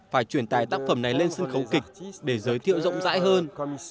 phải chuyển tài tác phẩm này lên sân khấu kịch để giới thiệu rộng rãi hơn